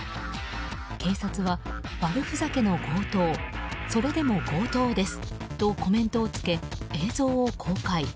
警察は、悪ふざけの強盗それでも強盗です！とコメントをつけ、映像を公開。